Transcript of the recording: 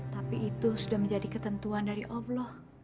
tapi itu sudah menjadi ketentuan dari allah